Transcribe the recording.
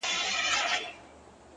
پسله كلونو څه چي ياره دوى تر غاړي وتل.!